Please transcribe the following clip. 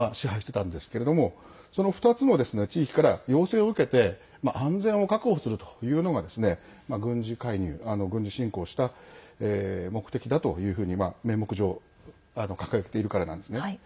この範囲を、軍事侵攻前まで親ロシア派の武装勢力が支配してたんですけれどもその２つの地域から要請を受けて安全を確保するというのが軍事介入、軍事侵攻した目的だというふうに名目上掲げているからなんですね。